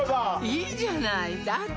いいじゃないだって